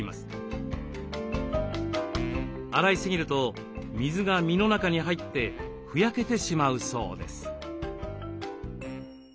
洗いすぎると水が身の中に入ってふやけてしまうそうです。